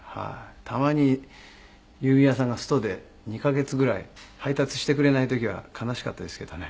たまに郵便屋さんがストで２カ月ぐらい配達してくれない時は悲しかったですけどね。